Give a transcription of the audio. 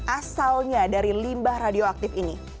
asalnya dari limbah radioaktif ini